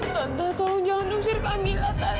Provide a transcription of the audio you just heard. tante tolong jangan nungshir kamila tante